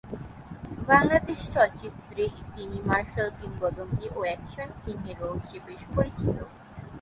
বাংলাদেশ চলচ্চিত্রে তিনি মার্শাল কিংবদন্তি ও অ্যাকশন কিং হিরো হিসেবে সুপরিচিত।